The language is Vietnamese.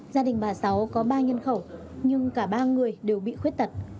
gia đình bà sáu có ba nhân khẩu nhưng cả ba người đều bị khuyết tật